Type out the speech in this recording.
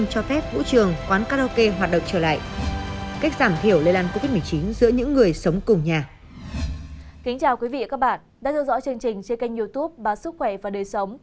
các bạn đã theo dõi chương trình trên kênh youtube bà sức khỏe và đời sống